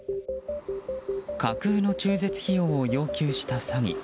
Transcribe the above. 架空の中絶費用を要求した詐欺。